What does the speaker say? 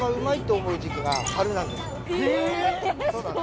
そうなの？